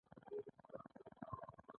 یا د توکو کمښت د ګرانښت لامل دی؟